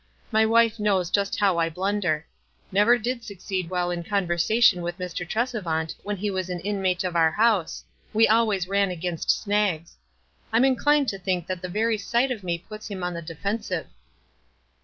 "My wife knows just how I blunder. Never did succeed well in conversation with Mr. Tresevant when he was an inmate of our house. We always ran against snags. I'm in clined to think that the very sight of me puts him on the defensive."